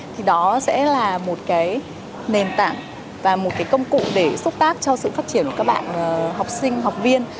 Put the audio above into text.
thì đó sẽ là một cái nền tảng và một cái công cụ để xúc tác cho sự phát triển của các bạn học sinh học viên